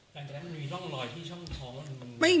แต่แม้มันมีรอยที่ช่องท้อง